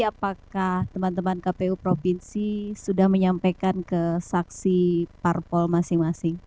apakah teman teman kpu provinsi sudah menyampaikan ke saksi parpol masing masing